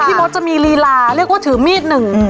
พี่มอสจะมีรีลาเรียกว่าถือมีดหนึ่งอืม